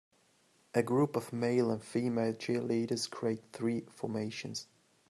A group of male and female cheerleaders create three formations.